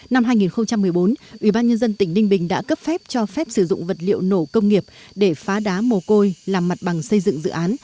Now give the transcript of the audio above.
năm hai nghìn một mươi bốn ủy ban nhân dân tỉnh ninh bình đã cấp phép cho phép sử dụng vật liệu nổ công nghiệp để phá đá mồ côi làm mặt bằng xây dựng dự án